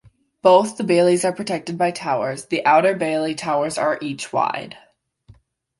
Both the baileys are protected by towers; the outer bailey towers are each wide.